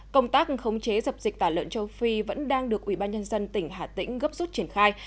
công tác khống chế dập dịch tả lợn châu phi vẫn đang được ubnd tỉnh hà tĩnh gấp rút triển khai